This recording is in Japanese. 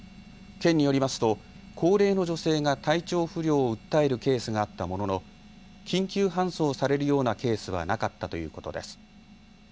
県によりますと高齢の女性が体調不良を訴えるケースがあったものの緊急搬送されるようなケースはなかったということです。